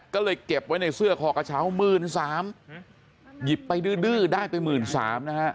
ก็เลยเก็บไว้ในเสื้อคอกระเช้าหมื่นสามหยิบไปดื้อดื้อได้ไปหมื่นสามนะฮะ